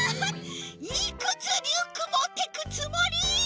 いくつリュックもってくつもり！？